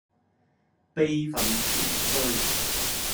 悲憤填膺